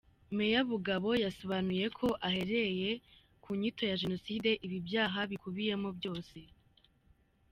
Me Bugabo yasobanuye ko ahereye ku nyito ya jenoside ibi byaha bikubiyemo byose.